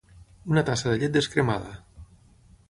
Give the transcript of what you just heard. Una tassa de llet descremada.